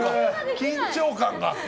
緊張感が。